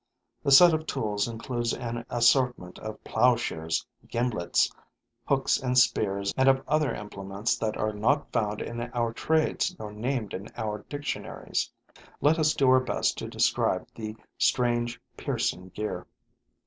The set of tools includes an assortment of plowshares, gimlets, hooks and spears and of other implements that are not found in our trades nor named in our dictionaries. Let us do our best to describe the strange piercing gear.